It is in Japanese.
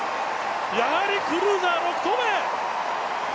やはりクルーザー、６投目！